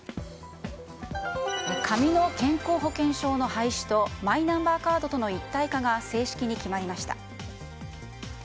紙の健康保険証の廃止とマイナンバーカードとの一体化が正式に決まりました。